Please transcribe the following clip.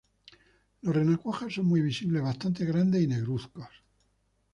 Los renacuajos son muy visibles, bastante grandes, y negruzcos.